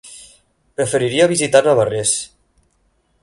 Preferiria visitar Navarrés.